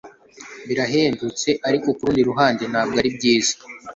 birahendutse, ariko kurundi ruhande ntabwo ari byiza